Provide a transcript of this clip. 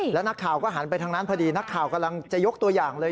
แล้วนักข่าวก็หันไปทางนั้นพอดีนักข่าวกำลังจะยกตัวอย่างเลย